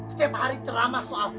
setiap hari ceramah soal